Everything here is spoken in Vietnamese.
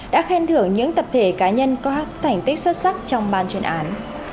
đã khen thưởng những tập thể cá nhân có thành tích xuất sắc trong ban chuyên án